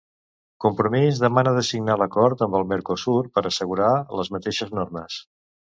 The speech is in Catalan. Compromís demana de signar l'acord amb el Mercosur per a assegurar les mateixes normes.